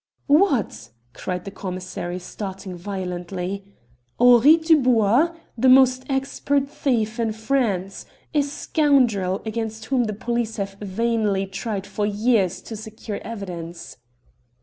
"What?" cried the commissary, starting violently. "Henri Dubois! The most expert thief in France! A scoundrel against whom the police have vainly tried for years to secure evidence."